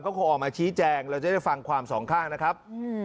ก็คงออกมาชี้แจงเราจะได้ฟังความสองข้างนะครับ